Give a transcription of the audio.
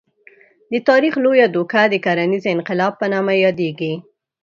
د تاریخ لویه دوکه د کرنیز انقلاب په نامه یادېږي.